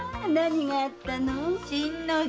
何があったの？